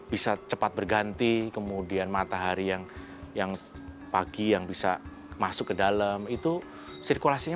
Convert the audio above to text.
bisa cepat berganti kemudian matahari yang yang pagi yang bisa masuk ke dalam itu sirkulasinya